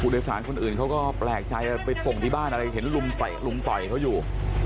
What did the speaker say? โดยสารคนอื่นเขาก็แปลกใจไปส่งที่บ้านอะไรเห็นลุงเตะลุมต่อยเขาอยู่